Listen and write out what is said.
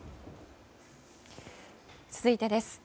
続いてです。